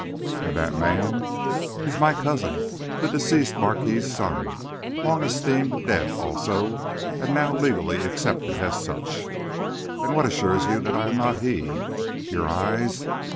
"'And that man?' "'Is my cousin, the deceased marquis's son, long esteemed dead also, and now legally accepted as such.' "'And what assures you that I am not he? Your eyes?